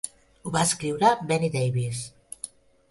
Ho va escriure Benny Davis.